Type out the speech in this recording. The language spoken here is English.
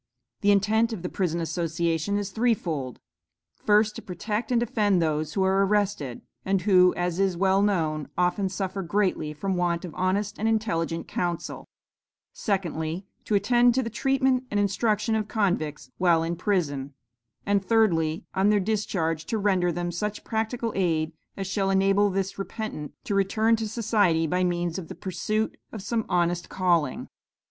The intent of the Prison Association is threefold: first to protect and defend those who are arrested, and who, as is well known, often suffer greatly from want of honest and intelligent counsel; secondly, to attend to the treatment and instruction of convicts while in prison; and thirdly, on their discharge to render them such practical aid as shall enable the repentant to return to society by means of the pursuit of some honest calling.